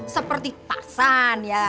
seperti tarzan ya